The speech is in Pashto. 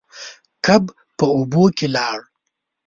کب په اوبو کې لاړ.